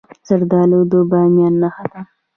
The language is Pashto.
زردالو د بامیان نښه ده.